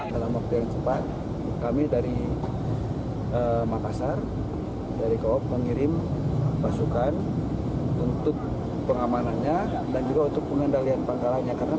dalam waktu yang cepat kami dari makassar dari koop mengirim pasukan untuk pengamanannya dan juga untuk pengendalian pangkalannya